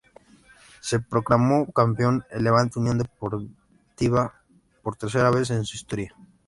Se proclamó campeón el Levante Unión Deportiva por tercera vez en su historia.